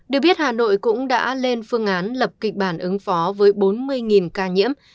được biết hà nội cũng đã lên phương án lập kịch bản ứng phó với bốn mươi ca nhiễm